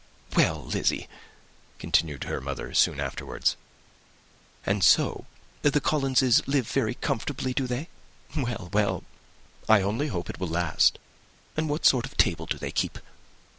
"Well, Lizzy," continued her mother, soon afterwards, "and so the Collinses live very comfortable, do they? Well, well, I only hope it will last. And what sort of table do they keep?